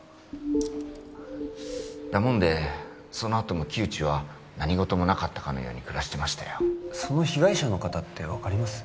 だもんでそのあとも木内は何事もなかったように暮らしてたその被害者の方って分かります？